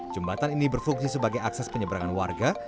jembatan ini berfungsi sebagai akses penyeberangan warga